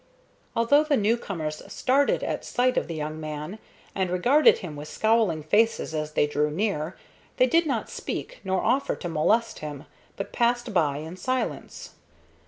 Although the new comers started at sight of the young man, and regarded him with scowling faces as they drew near, they did not speak nor offer to molest him, but passed by in silence.